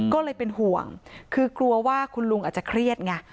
ก็เลยเป็นห่วงคือกลัวว่าคุณลุงอาจจะเครียดไง